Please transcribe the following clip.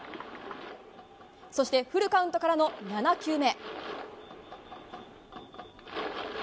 そしてフルカウントからの７球目。